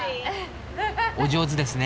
お上手ですね。